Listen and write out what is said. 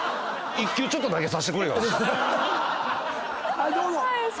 はいどうぞ。